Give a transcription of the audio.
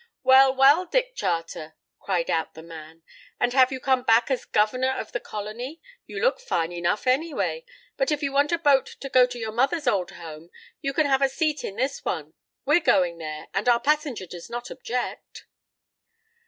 "Well, well, Dick Charter!" cried out the man, "and have you come back as governor of the colony? You look fine enough, anyway. But if you want a boat to go to your mother's old home, you can have a seat in this one; we're going there, and our passenger does not object."